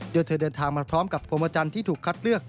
โดยเธอเดินทางมาพร้อมกับพรมจันทร์ที่ถูกคัดเลือก